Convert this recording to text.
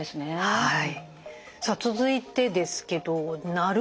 はい。